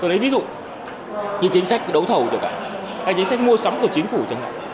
tôi lấy ví dụ như chính sách đấu thầu cho cả hay chính sách mua sắm của chính phủ cho cả